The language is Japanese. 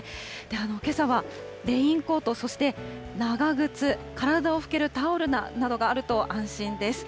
けさはレインコート、そして長靴、体を拭けるタオルなどがあると安心です。